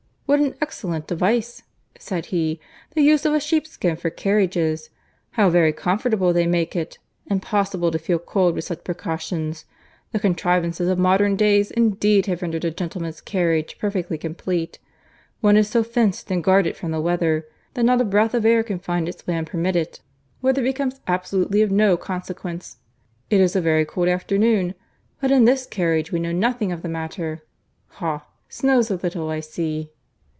"What an excellent device," said he, "the use of a sheepskin for carriages. How very comfortable they make it;—impossible to feel cold with such precautions. The contrivances of modern days indeed have rendered a gentleman's carriage perfectly complete. One is so fenced and guarded from the weather, that not a breath of air can find its way unpermitted. Weather becomes absolutely of no consequence. It is a very cold afternoon—but in this carriage we know nothing of the matter.—Ha! snows a little I see."